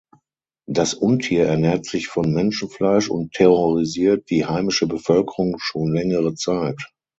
Das Untier ernährt sich von Menschenfleisch und terrorisiert die heimische Bevölkerung schon längere Zeit.